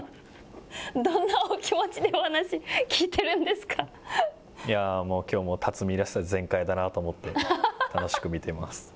どんなお気持ちでお話を聞いていいやー、もうきょうも辰己らしさ全開だなと思って、楽しく見てます。